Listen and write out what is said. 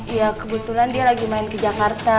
ya kebetulan dia lagi main ke jakarta